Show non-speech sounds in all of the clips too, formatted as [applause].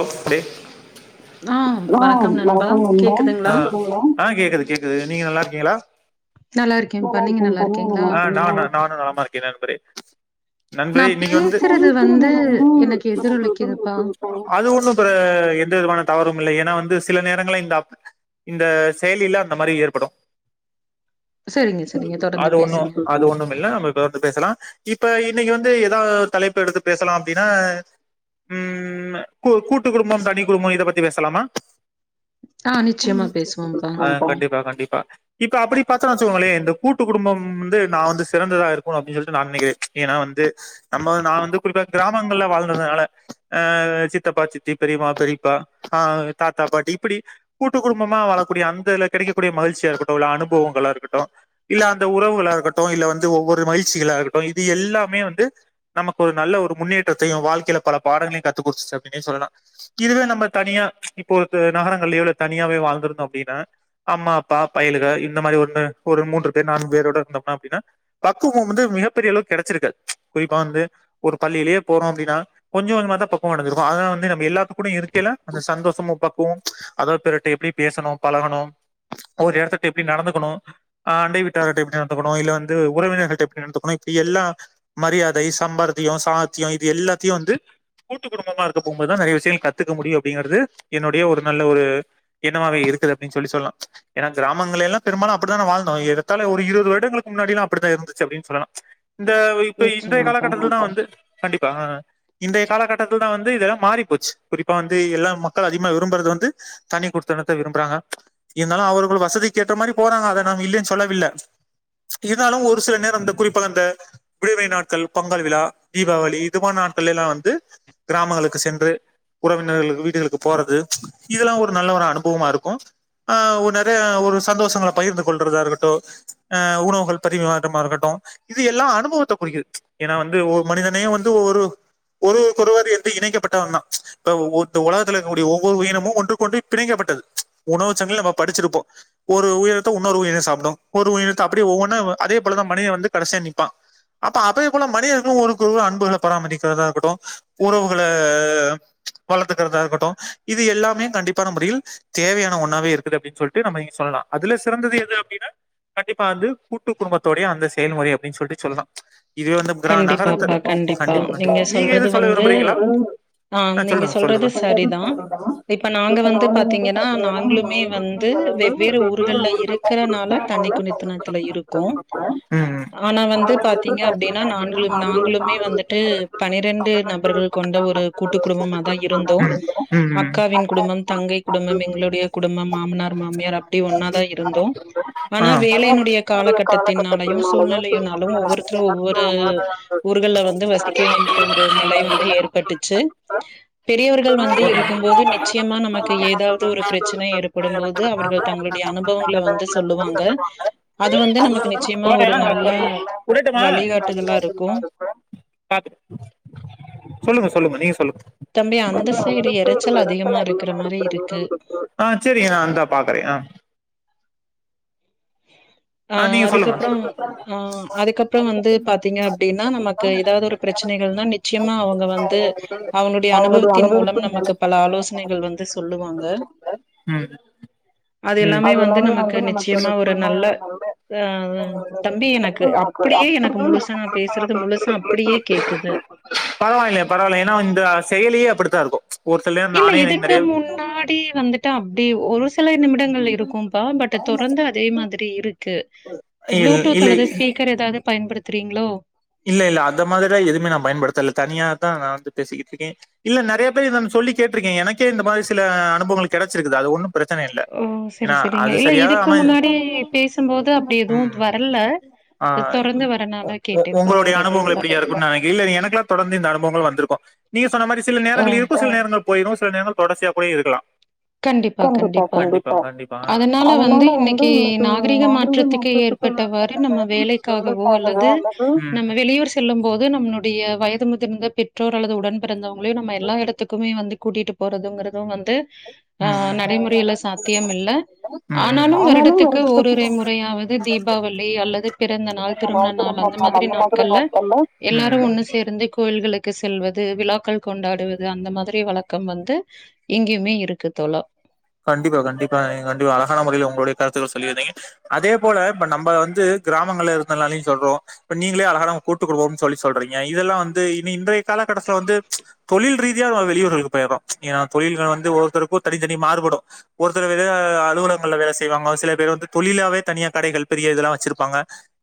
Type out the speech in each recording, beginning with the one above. ஹஓ்டே [inaudible] ஆஹ வணக்கம் நண்பா கேக்குதுங்களா ஆஹ கேக்குது கேக்குது நீங்க நல்லா இருக்கீங்களா நல்லா இருக்கேன்ப்பா நீங்க நல்லா இருக்கீங்களா? ஆஹ நா நானும் நலமா இருக்கே நண்பரே நா நண்பரே இன்னக்கி வந்து பேசுறது வந்து எனக்கு எதிரொலிக்குதுப்பா. அது ஒண்ணும் எந்த விதமான தவறும் இல்லை ஏன்னா வந்து சில நேரங்கள இந்த இந்த செயலில அந்த மாதிரி ஏற்படும் சரிங்க சரிங்க தொடர்ந்து அது ஒண்ணும் பேசுங்க. அது ஒண்ணும் இல்ல நம்ம தொடர்ந்து பேசலாம் இப்ப இன்னக்கி வந்து எதா தலைப்பு எடுத்து பேசலா அப்டின்னா உம் ம்மு கூ கூட்டு குடும்பம் தனி குடும்போ இத பத்தி பேசலாமா? ஆ நிச்சயமா பேசுவோம்ப்பா. ஆ கண்டிப்பா கண்டிப்பா இப்ப அப்பிடி பாத்தன்னு வச்சுக்கோங்களே இந்த கூட்டு குடும்பம் வந்து நா வந்து சிறந்ததா இருக்கு அப்டின் சொல்ட்டு நா நெனைக்கிறே. ஏன்னா வந்து நம்ம நா வந்து குறிப்பா கிராமங்கள்ல வாழ்ந்ததுனால ஆ ஆ சித்தப்பா சித்தி பெரியம்மா பெரியப்பா ஆ தாத்தா பாட்டி இப்பிடி கூட்டு குடும்பமா வாழக்கூடிய அந்த இதுல கெடைக்கக்கூடிய மகிழ்ச்சியா இருக்கட்டு இல்ல அனுபவங்களா இருக்கட்டு இல்ல அந்த உறவுகளா இருக்கட்டு இல்ல வந்து ஒவ்வொரு மகிழ்ச்சிகளா இருக்கட்டு இது எல்லாமே வந்து நமக்கு ஒரு நல்ல ஒரு முன்னேற்றத்தையு வாழ்க்கையில பல பாடங்களையு க த்து குடுத்துச்சு அப்டின்னே சொல்லலா. இதுவே நம்ம தனியா இப்போ இது நகரங்கள்லயோ இல்ல தனியாவே வாழ்ந்திருந்தோ அப்டின்னா அம்மா அப்பா பயலுக இந்த மாரி ஒன்னு ஒர் மூன்று பேர் நான்கு பேரோட இருந்தம்னா அப்டினா பக்குவம் வந்து மிகப்பெரிய அளவுக்கு கெடைச்சிருக்காது. குறிப்பா வந்து ஒரு பள்ளியிலயே போறோ அப்டின்னா கொஞ்ச கொஞ்சமாதா பக் குவோ அடஞ்சிருப்போ ஆனா வந்து நம்ம எல்லாத்து கூடயு இருக்கயில அந்த சந்தோஷமு பக்குவோ அதாவ்து பிறர்ட்ட எப்டி பேசணு பழகணு ஒரு எடத்துக்ட்ட எப்டி நடந்துக்கணு ஆ அண்டை வீட்டார்கிட்ட எப்டி நடந்துக்கணு இல்ல வந்து உறவினர்கள்ட்ட எப்டி நடந்துக்கணு இப்டி எல்லா மரியாதை சம்பார்த்தியோ சாத்தியோ இது எல்லாத்தையு வந்து கூட்டுக் குடும்பமா இருக்க போகும் போதுதா நெறைய விஷயங்கள் கத்துக்க முடியு அப்டிங்கிறது என்னுடைய ஒரு நல்ல ஒரு எண்ணமாவே இருக்குது அப்டின்னு சொல்லி சொல்லலா. ஏன்னா கிராமங்கள்ல எல்லா பெரும்பாலு அப்பிடிதான வாழ்ந்தோ ஏறத்தாழ ஒரு இருபது வருடங்களுக்கு முன்னாடி எல்லா அப்பிடித்தா இருந்துச்சு அப்டின்னு சொல்லலா. இந்த இப்ப இந்த நிச்சயமாப்பா. காலகட்டத்துலதா வந்து கண்டிப்பா ஆ இன்றைய காலகட் டத்துலதா வந்து இதெல்லா மாறி போச்சு. குறிப்பா வந்து எல்லா மக்கள் அதிகமா விரும்புறது வந்து தனி குடித்தனத்த விரும்புறாங்க. இருந்தாலு அவர்கள் வசதிக்கு ஏத்த மாரி போறாங்க அத நாம் இல்லேன்னு சொல்லவில்ல. இருந்தாலு ஒரு சில நேரோ அந்த குறிப்பாக அந்த விடுமுறை நாட்கள் பொங்கல் விழா தீபாவளி இது மாரி நாட்கள்ல எல்லா வந்து கிராமங்களுக்கு சென்று உறவினர்களது வீடுகளுக்கு போறது இதெல்லா ஒரு நல்ல ஒரு அனுபவமா இருக்கு. ஆ ஒரு நெறைய ஒரு சந்தோஷங்கள பகிர்ந்து கொள்றதா இருக்கட்டு ஆ உணவுகள் பரிமாற்றமா இருக்கட்டு இது எல்லா அனுபவத்த குறிக்கிது ஏன்னா வந்து ஒரு மனிதனே வந்து ஒரு ஒரு பொதுவாக வந்து இணைக்கப்பட்டவந்தா இப்ப ஒ ஒருத்த உலகத்தில இருக்கக்கூடிய ஒவ்வொரு உயினமு ஒன்றுக்கொன்று பிணைக்கப்பட்டது. உணவுச்சங்கிலி நம்ம படிச்சிருப்போ ஒரு உயிரினத்த உன்னொரு உயிரினோ சாப்டு. ஒரு உயிரினத்த அப்டியே ஒவ்வொன்னா அ அதே போலதா மனிதன் வந்து கடைசியா நிப்பான். அப்ப அதே போல மனிதர்களு ஒருவருக்கொருவர் அன்புகள பராமரிக்கிறதா இருக்கட்டு உறவுகள வளத்துக்கிறதா இருக்கட்டு இது எல்லாமே கண்டிப்பான முறையில் தேவையான ஒண்ணாவே இருக்குது அப்டின்னு சொல்ட்டு நம்ம இங்க சொல்லலா. அதுல சிறந்தது எது அப்டின்னா கண்டிப்பா வந்து கூட்டு குடும்பத்துடைய அந்த செயல்முறை அப்டின்னு சொல்ட்டு சொல்லலா. இது வந்து கிரா நகரத்த கண்டிப்பாப்பா கண்டிப்பா கண்டிப் கண்டிப் நீங்க எது சொல்றது சொல்ல வந்து விரும்புறீங்களா ஆ நீங்க சொல்லுங்க சொல்றது சொல்லுங்க சரிதா. இப்ப நாங்க வந்து பாத்தீங்கன்னா நாங்களுமே வந்து வெவ்வேறு ஊர்கள்ல இருக்கறனால தண்ணி குடித்தனத்துல இருக்கோ. ம் ம் ப்படின்னா நாங்களு நாங்களுமே வந்துட்டு பனிரெண் டு பன்னெண்டு நபர்கள் கொண்ட ஒரு கூட்டு குடும்பமாதா இருந்தோ. ம் ம் ம் அக்காவின் குடும்பம் தங்கை குடும்பம் எங்களுடைய குடும்பம் மாமனார் மாமியார் அப்டி ஒன்னாதா இருந்தோ. ஆ ஆனா வேலையினுடைய என்னுடைய காலகட்டத்தினாலயு காலகட்டத்தினாலயோ சூழ்நிலையினாலு பெண்களுடைய ஒவ்வொருத் தரு அனைத்து ஒவ்வொரு ஊர்கள்ல வந்து மருத்துவ வசிக்க வேண் டிய ஒரு நிலை வந்து ஏற்பட்டுச்சு. பெரியவர்கள் வந்து இருக்கும்போது நிச்சயமா நமக்கு ஏதாவது ஒரு பிரச்சனை ஏற்படும்போது அவர்கள் தங்களுடைய அனுபவங்கள வந்து சொல்லுவாங்க. அது வந்து நமக்கு நிச்சயமா ஒரு நல்ல வழிகாட்டுதலா இருக்கு சொல்லுங்க சொல்லுங்க நீங்க சொல்லுங்க தம்பி அந்த சைடு எரைச்சல் அதிகமா இருக்கிற மாரி இருக்கு ஆ சேரிங்க நா அந்தா பாக்குறே ஆ ஆ நீங்க சொல்லுங்க அதுக்கப்றோ ஆ அதுக்கப்றோ வந்து பாத்தீங்க அப்டின்னா நமக்கு ஏதாவது ஒரு பிரச்சனைகள்னா நிச்சயமா அவங்க வந்து அவங்களுடைய அவனுடைய அனுபவத்தின் மூலம் நமக்கு பல மூலம் ஆலோசனைகள் வந்து சொல்லுவாங்க. ம் அது எல்லாமே வந்து நமக்கு நிச்சயமா ஒ திரும்பவு ஒருமுறை தம்பி எனக்கு அப்படியே எனக்கு முழுசா நா பேசுறது முழுசா அப்படியே கேக்குது பரவால்லை பரவால்லை ஏன்னா இந்த செயலியே அப்பிடித்தா இருக்கு இல்ல இதுக்கு முன்னாடி வந்துட்டு அப்டி ஒரு சில நிமிடங்கள்ல இருக்கும்பா பட் தொடர்ந்து அதே மாதிரி இருக்கு. இல் ப்ளூடூத் இல்ல அல்லது ஸ்பீக்கர் ஏதாவது பயன்படுத் துறீங்களோ இல்ல இல்ல அந்த மாரிலா எதுமே நா பயன்படுத்தல தனியாதா நா வந்து பேசிக்கிட்டு இருக்கே. இல்ல நெறைய பேர் இத நா சொல்லி கேட்டுருக்கே எனக்கே இந்த மாரி சில அனுபவங்கள் கெடைச்சிருக்குது அது ஒன்னும் ஓ செரி செரிங்க இல்ல இதுக்கு அம முன்னாடி பேசும்போது அப்டி எதுவு ம் வரல ஆ இது தொடர்ந்து வரனால கேட்டேன். உங்களுடைய அனுபவங்கள் எப்டியா இருக்குன்னு நா நெனக் இல்ல எனக்கெல்லா தொடர்ந்து இந்த அனுபவங்கள் வந்துருக்கு நீங்க சொன்ன மாரி சில ஓ! நேரங்கள் இருக்கு சில நேரங்கள் ல போயிரு சில நேரங்கள் தொடர்ச்சியா கூட இருக்கலா. கண்டிப்பா கண்டிப்பா அதனால ஆ வந்து இன்னைக்கு நாகரீக மாற்றத்துக்கு ஏற்பட்டவாறு நம்ம வேலைக்காகவோ அல்லது நம்ம வெளியூர் செல்லும் போது நம்ம ளுடைய வயது முதிர்ந்த பெற்றோர் அல்லது உடன் பிறந்தவங் களையு நம்ம எல்லா எடத்துக்குமே வந்து கூட்டிட்டு போறதுங்கறது வந் து ஆ நடைமுறையில சாத்தியம் இல்ல. ஆ ஆனாலு ஒரு வருடத்துக்கு பக்கத்துல ஓரிரு முறையாவது தீபாவளி அல்லது பிறந்த நாள் திருமண நாள் அந்த மாதிரி நாட்கள்ல எல்லாரு ஒண்ணு சேர்ந்து கோயில்களுக்கு செல்வது வி ழாக்கள் கொண்டாடுவது அந்த மாதிரி வழக்கம் வந்து இங்கயுமே இருக்கு தோழா கண்டிப்பா கண்டிப்பா நீங் கண்டிப்பா அழகான முறைல உங்களுடைய கருத்துக்கள் சொல்லியிருந்தீங்க. அதே போல இப்ப நம்ம வந்து கிராமங்கள்ல இருந்தனாலயு சொல்றோ இப்ப நீங்களே அழகான கூட்டு குடும்போன்னு சொல்லி சொல்றீங்க இதெல்லா வந்து இனி இன்றைய காலகட்டஸ்த்துல வந்து தொழில் ரீ ஃப்ரீயா நம்ம வெளியூர்களுக்கு போயர்றோ யா தொழில்கள் வந்து ஒரு ஒருத்தருக்கு தனித்தனி மாறு படு ஒருத்தரு வெளிய அலுவலகங்கள்ல வேல செய்வாங்க. சில பேர் வந்து தொழிலாவே தனியா கடைகள் பெரிய இதல்லா வச்சிருப்பாங்க.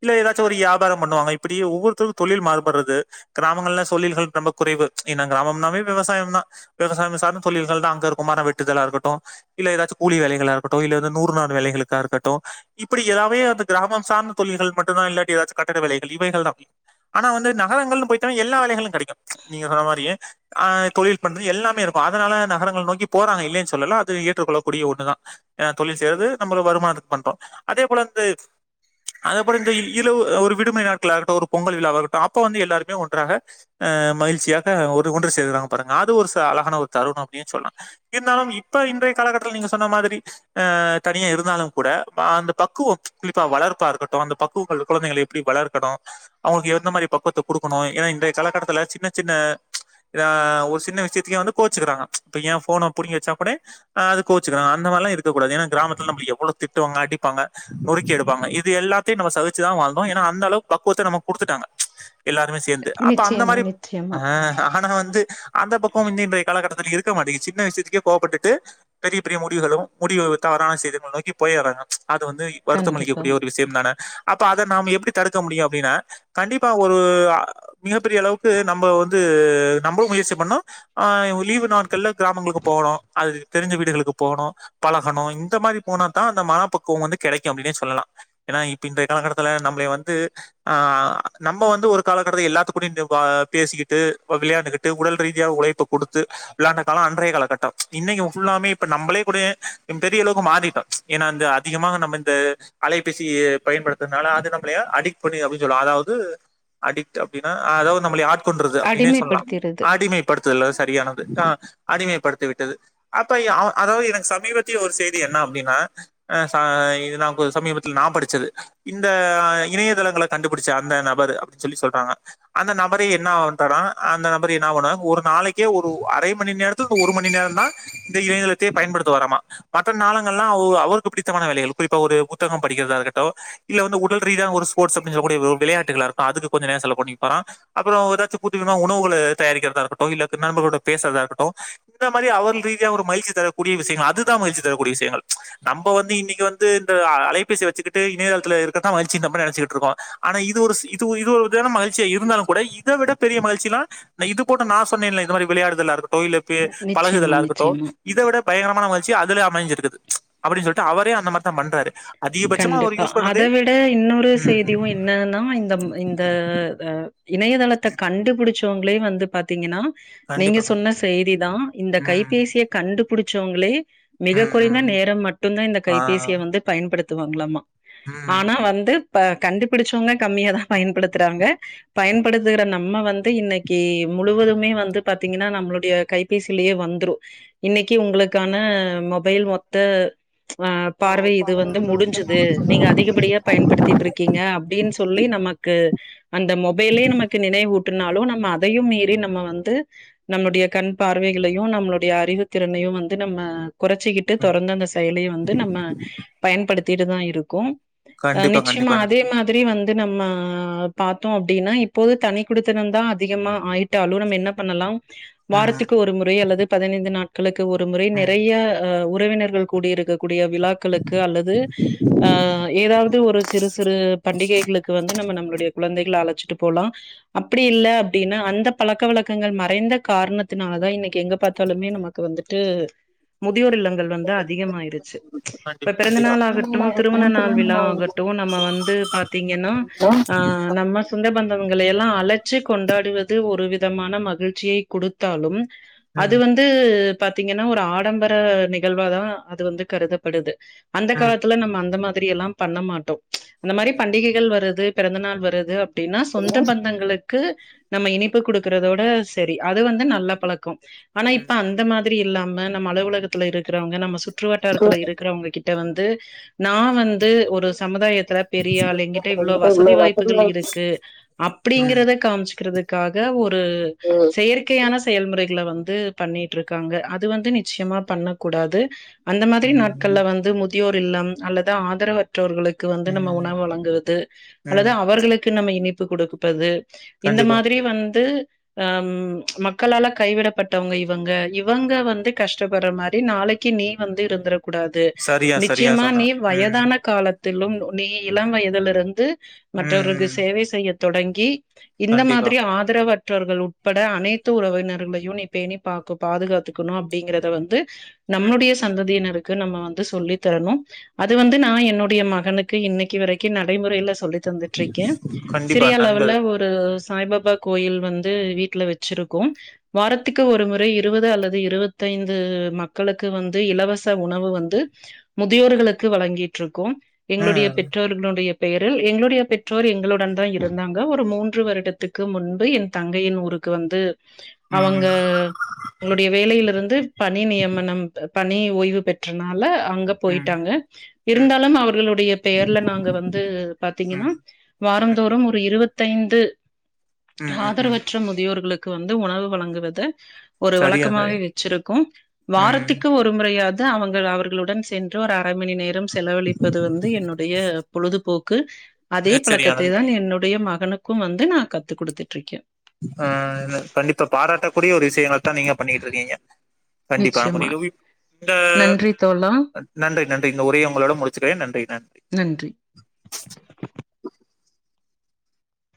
இல்ல எதாச்சு ஒரு வியாபாரோ பண்ணுவாங்க. இப்படியே ஒவ்வொருத்தருக்கு தொழில் மாறுபடுறது கிராமங்கள்ல சொழில்கள் ரொம்ப குறைவு ஏன்னா கிராமம்னாவே விவாயந்தா. விவசாயம் சார்ந்த தொழில்கள்தா அங்க இருக்கு மரம் வெட்டுதலா இருக்கட்டு இல்ல எதாச்சு கூலி வேலைகளா இருக்கட்டு இல்ல வந்து நூறு நாள் வேலைகளுக்கா இருக்கட்டு இப்படி எல்லாமே அந்த கிராமம் சார்ந்த தொழில்கள் மட்டுந்தா இல்லாட்டி எதாச்சு கட்டிட வேலைகள் இவைகள்தா. ஆனா வந்து நகரங்கள்னு போய்ட்டா எல்லா வேலைகளு லெடைக்கு. நீங்க சொன்ன மாரியே ஆ தொழில் பண்றது எல்லாமே இருக்கு அதனால நகரங்கள் நோக்கி போறாங்க இல்லைன்னு சொல்லல அத் து ஏற்றுக்கொள்ளக்கூடிய ஒண்ணுதா. ஆ தொழில் செய்யறது நம்மளு வருமானத்துக்கு பண்றோ. அதே போல அந்த அதே போல இந்த இழவு ஆ ஒரு விடுமுறை நாட்களாகட்டு ஒரு பொங்கல் விழாவாகட்டு அப்ப வந்து எல்லாருமே ஒன்றாக ஆ மகிழ்ச்சியாக ஒன்று ஒன்று சேருறாங்க பாருங்க அது ஒரு ச அழகான ஒரு தருணோ அப்டினு சொல்லலா இருந்தாலும் இ ப்ப இன்றைய காலகட்டத்துல நீங்க சொன்ன மாதிரி ஆ தனியா இருந்தாலுங் கூட ஆ அந்த பக்குவம் குறிப்பா வளர்ப்பா இருக்கட்டு அந்த பக்குவங்கள் குழந்தைகள எப்டி வளர்க்கணு அவங்களுக்கு எந்த மாரி பக்குவத்த குடுக்கணு ஏன்னா இன்றைய காலகட்டத்தில சின்ன சின்ன இதா ஒரு சின்ன விஷயத்துக்கே வந்து கோவுச்சுக்கிறாங்க இப்ப ஏன் ஃபோன புடுங்கி வச்சா கூட ஆ அது கோவிச்சுக்கறாங்க அந்த மாரிலா இருக்க கூடாது ஏன்னா கிராமத்துல நம்பள எவ்ளோ திட்டுவாங்க அடிப்பாங்க நொறுக்கி எடுப்பாங்க இது எல்லாத்தையு நம்ம சகிச் சுதா வாழ்ந்தோ. ஏன்னா அந்த அளவு பக் குவத்த நமக்கு குடுத்துட்டாங்க எல்லாருமே சேந்து அப்ப அந்த நிச்சயமா, மாரி ஆ நிச்சயமா. ஆனா வந் து அந்த பக்கோ வந்து இன்றைய காலகட்ட த்துல இருக்க மாட்டேங்கிது சின்ன விஷயத்துக்கே கோவப்பட்டு ட்டு பெரிய பெரிய முடிவுகளு முடிவு தவறான செயல்கள நோக்கி போயர்றாங்க அது வந்து வருத்தம் அளிக்கக் கண்டிப்பா. கூடிய ஒரு விஷயம்தான? அப்ப அத நாம எப்டி தடுக்க முடியு அப்டின்னா கண்டிப்பா ஒரு ஆ மிகப்பெரிய அளவுக்கு நம்ம வந்து நம்மளு முயற்சி பண்ணனு ஆ லீவு நாட்கள்ல கிராமங்களுக்கு போகணு அது தெரிஞ்ச வீடுகளுக்கு போகணு பழகணு இந்த மாரி போனாத்தா அந்த மனப்பக்குவோ வந்து கெடைக்கு அப்டின்னே சொல்லலா. ஏன்னா இப்ப இன்றைய காலகட்டத்தில நம்பளய வந்து ஆ நம்ம வந்து ஒரு காலகட்டத்த எல்லாத்து கூடயு இந் ப் ஆ பேசிக்கிட்டு வ விளையாண்டுக்கிட்டு உடல் ரீதியா உழைப்ப குடுத்து விளையாண்ட காலோ அன்றைய காலகட்டோ இன்னக்கி ஃபுல்லாமே இப்ப நம்மளே கூட ம் பெரிய அளவுக்கு மாறிட்டோ ஏன்னா இந்த அதிகமாக நம்ம இந்த அலைபேசிய பயன்படுத்துறனால அது நம்மளய அடிக்ட் பண்ணுது அப்டின்னு சொல்லலா அதாவது அடிக்ட் அப்டினா ஆ எதா து நம்மளய ஆட்கொன்றது அப்டின்னே சொல்லலா அடிமைப்படுத்திருது. அடிமைப்படுத்துதல் சரியானது ஆ அடிமைப்படுத் தி விட்டது. அப்ப ய அவ அதாவது எனக்கு சமீபத்திய ஒரு செய்தி என்ன அப்டின்னா ஆ சா இது நா கொ சமீபத்தில் நா படிச்சது இந்த ஆ இணையதளங்கல கண்டுபிடிச்ச அந்த நபரு அப்டின்னு சொல்றாங்க. அந்த நபரு என்ன ஆகுன்ட்டாரா அந்த நபரு என்ன ஆவுன்னா ஒரு நாளைக்கே ஒரு அரைமணி நேரத்துக்கு ஒரு ம ணி நேரந்தா இந்த இணையதளத்தையே பயன்படுத்துவாராமா. மத்த நேரங்கல்லா அவரு அவருக்கு பிடித்தமான வேலைகள் குறிப்பா ஒரு புத்தகோ படிக்கிறதா இருக்கட்டு இல்ல வந்து உடல் ரீதியான ஒரு ஸ்போர்ட்ஸ் அப்டின்னு சொல்லக்கூடிய வி விளையாட்டுகளா இருக்கட்டு அதுக்கு கொஞ்ச நேரோ செலவு பண்ணிக்குவாரா அப்புறோ எதாச்சு புதுவிதமா உணவுகள தயாரிக்கிறதா இருக்கட்டு இல்ல க நண்பர்களோட பேசறதா இருக்கட்டு இந்த மாரி அவர்கள் ரீதியா ஒரு மகிழ்ச்சி தரக் கூடிய விஷயங்கள் அதுதா மகிழ்ச்சி தரக்கூடிய விஷயங்கள். நம்ப வந்து இன்னைக்கி வந்து இந்த அ அலைபேசி வச்சுக்கிட்டு இணையதளத்தில இருக்கிறதுதா மகிழ்ச்சின்னு நம்ப நெனச்சுக்கிட்ருக்கோ. ஆனா இது ஒரு ஸ் இது ஒரு இது ஒரு விதமான மகிழ்ச்சியா இருந்தாலுங் கூட இத விட பெரிய மகிழ்ச்சி எல்லா நா இது போன்ற நா சொன்னேன்ல இந்த மாரி விளையாடுதலா இருக்கட்டு இல்ல க்கு நிச்சயமா, பழகுதலா இருக்கட்டு நிச்சயமா. இத விட பயங்கரமான மகிழ் ச்சி அதுல அமைஞ்சிருக்குது அப்படின்னு சொல்லிட்டு அவரே அந்த மாரி த்தோ பண்ராரு கண்டிப்பா அத விட இன்னொரு ம் செய்தியு என்னன்னா இந்த இந்த ஆ இணயதளத்த கண்டுபிடிச்சு சவ்ங்ளே வந்து பாத்தீங்கன்னா நீங்க கண்டிப்பா கண்டிப்பா சொன்ன செய்தி தா இந்த ம் கைபேசிய கண்டு புடிச்சவங்ளே மிக ம் குறைந்த ம் நேரம் மட்டும்தே இந்த ஆ கைபேசிய வந்து பயன்படுத் த்து வாங்லாமா ம் ஆனா வந்து இப்ப கண்டுபிடிச்சவங்க கம்மியாதா பயன்படுத்துறாங்க பயன்படுத்துகிற நம்ம வந்து இன்னக்கு முழுவதுமே வந்து பாத்தீங்கன்னா நம்மளுடைய கைபேசியிலயே வந்துரு இன்னக்கு உங்களுக்கான மொபைல் மொத்த ஆ பார்வை இது வந் து முடிஞ்சுது நீங்க அதிகப்படியா பயன்படுத்திட்ருக்கீங்க அப்டின்னு சொல்லி நமக்கு அந்த மொபைலே நமக்கு நெனைவூட் இத்துன்நாலு நம்ம அதையு மீறி நம்ம வந்து நம்முடைய கண் பார்வைகளையு நம்ளுடைய அறிவுதிறனையு வந்து நம்ம கொறச்சிக்கிட்டு தொறந்த அந்த செயலயு வந்து நம்ம படுத்திட்டு தா இருக்கு அ கண்டிப்பா நிச்யமா கண்டிப்பா அதே நண்பர் மாத்ரி வந் து நம்ம பாத்தோ அப்டினா இப்போது தனி குடுத்தனோ தா அதிகமா ஆயிடாலு நம்ம என்ன பண்ணலா ம் வாரதுக்கு ஒரு முறை அல்லது பதினைந்து நாட் களுக்கு ஒரு முறை ம் நெறையா ஒர் உறவினர்கள் கூடிஇருகக் கூடிய விலாகள் கு அல்லது அ ஏதாவது ஒரு சிறு சிறு பண்டிகைகளுக்கு வந்து நம்ம நம்மளுடைய கொலந்தைகல அழச்சிட்டு போலா அப்டி இல்ல அப்டினா அந்த பலக்க வலகங்கள் மறைந்த காரணத்தினால தா இன்னைக்கு எங்க பாத்தாலுமே நமக்கு வந்துட்டு முட் மதியோர் இல்லங்கள் வந்து அதிகமாயிருச்சு கண்டிப்பா கண்டிப்பா பிறந்தநாள் ஆகட்டு திருமண திருமணமாகட்டும் நாள் விலா திருமணமாகட்டும் ஆகட்டு நம்ம வந்து பாத்தீங்கனா நம்ம சொந்த பந்தங்கள எல்லா அலச்சு கொண்டாட டுவது ஒரு விதமான மகிழ்சிய குடுதாலு அது ம் வந்து பாதீங்கனா ஒரு ஆடம்பர நிகழ்வாதா அது வந்து கருதப்படுது அந்த ம் காலத்துல நம்ம அந்த மாத் திரியெல்லா பண்ண மாட்டோ இந்த மாரி ம் பண்டிகைகள் வரது பிறந்த நாள் வருது அப் டினா சொந்த பந்தங்களு க்கு நம்ம இனிப்பு குடுக்குறதோட செரி அது வந்து நல்ல பலக்கோ ஆனா இப்ப ம் அந்த மாத்ரி இல்லாம ம நம்ம அலுவலகத்திலருக் இருக்குறவங்க நம்ம சுற்று வட்டாரத்துல இருகிறவங்ககிட் கிட்ட வந்து நா வந்து ஒரு சமுதாயதுல பெரியாளு என்கிட்ட இவ்ளோ வசதி வாய்புகள் இருக்கு ம் அப்டிங்கிறத காம்சுகிறதுக் காக ஒரு ம் பு செயற்கயான செயல்முறைகள வந்து து பண்ணிட்ருகாங்க அது வந்து நிச்யமா பண்ணகூடாது அந்த மாத்ரி நாட்கள்ல வந்து முதியோர் இல்லம் அல்லது ஆதரவற் றவர்களுக் கு வந்து நம்ம ம் உணவு வழங்குவது அல்லது ம் அவர்களுக்கு நம்ம இனிப் ப்பு குடுக்ப்பது இந்த கண்டிப்பா மாத்ரி வந்து அம் மக்களால கைவிடப்பட்டவங்க இவங்க இவங்க வந்து கஷ்டப்படுற மாரி நாளைக் கி நீ வந்து ம். இருந்துர கூடாது சரியா சரியா நிச்சயமா சொன்ன நீ ம் வயதான காலத் திலு நீ இல வயதுலருந்து மற்றவருக்கு ம் சேவை செய்ய தொடங்கி இந்த கண்டிப்பா மாதிரி ஆதரவ மற்றர்கள் உட்பட அனைத்து உறவினர்களையு நி பேணி பாக்கு பாதுகாத்துக்கணு அப்படிங்கறத வந்து நம்ளுடைய சந்ததியினருக்கு நம்ம வந்து து சொல்லித்தரணு அது வந்து நா என்னுடைய மகனுக்கு இன்னைக்கு வரைக்கு நடைமுறையில சொல்லி தந்துட்ருக்கே கண்டிப்பா சிரியாஏ லெவல்ல நண்பர் ஒரு சாய்பாபா கோயில் வந்து வீட்ல வச்சிருக்கோ வாரத்துக்கு ஒரு முறை இருபது அல்லது இருபத்தைந்து மக்களுக்கு வந்து இலவச உணவு வந்து முதியோர்களுக்கு வழங்கீட்ருக்கோ எங்களுடைய ம் பெற்றோர்களுடைய பெயரில் எங்களுடைய பெற்றோர் எங்களுடன் தா இருந்தாங்க ஒரு மூன்று வருடத்துக்கு முன்பு என் தங்கையின் ஊருக்கு வந்து அவங்க ம் ளுடைய வேலையிலிருந்து [unintelligible] பணி நியமனம்றது பணி ஓய்வு பெற்றனால அங்க ம் போயிட்டாங்க ம் இருந்தாலும் அவர்களுடைய பெயர்ல நாங்க வந்து ம் பாத்தீங்கன்னா ம் வாரந்தோறும் ஒரு இருவ த்தைந்து ம் ம் ம் ஆதரவற்ற முதியோர்களுக் க்கு வந்து உணவு வழங்குவது ஒரு சரியா சரியா வழக்கமாவே வச்சிருக்கொ ம் வாரத்துக்கு ஒரு முறையா து அவங்கள் அவர் களுடன் சென்று ஒரு அ ரை மணி நேரம் செலவழிப்பது வந்து என்னுடைய பொழுதுபோக்கு அதே மிகச் பழக்கத்தை சரியானது தா என்னுடைய ம கனுக்கு வந்து நா கத்து குடுத்துட்ருக்கே ஆ ன கண்டிப்பா பாராட்டக்கூடிய ஒரு விஷயங்களத்தா நீங்க பண்ணிகிட்ருக்கீங்க கண்டிப்பா அப்ப நிச்சயமா நிறுவி த நன்றி தோழா நன்றி நன்றி இந்த உரைய உங்களிடம் முடுச்சக்கிறேன் நன்றி நன்றி